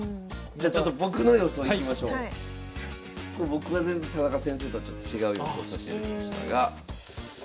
僕は田中先生とはちょっと違う予想さしていただきましたが。